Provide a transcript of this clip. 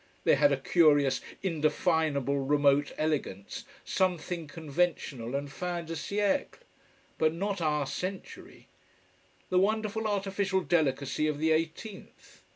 They had a curious, indefinable remote elegance, something conventional and "fin de siècle". But not our century. The wonderful artificial delicacy of the eighteenth.